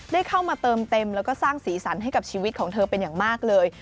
ได้เข้ามาเติมเต็มแล้วก็สร้างสีสันให้กับชีวิตของเธอเป็นอย่างมากเลย